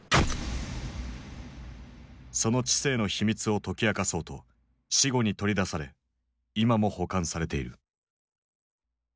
その知性の秘密を解き明かそうと死後に取り出され今も保管されている。